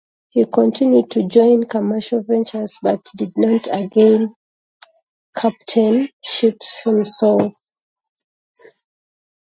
He continued to join commercial ventures but did not again captain ships himself.